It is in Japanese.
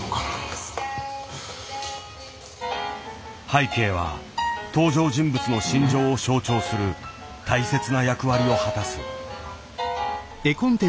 背景は登場人物の心情を象徴する大切な役割を果たす。